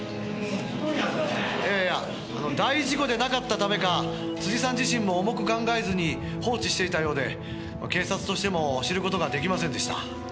「いやいや大事故でなかったためか辻さん自身も重く考えずに放置していたようで警察としても知る事が出来ませんでした」